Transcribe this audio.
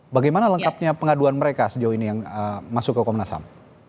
bagaimana lengkapnya pengaduan mereka sejauh ini yang masuk ke komnas ham